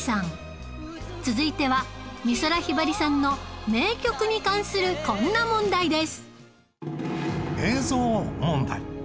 続いては美空ひばりさんの名曲に関するこんな問題です